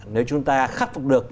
nếu chúng ta khắc phục được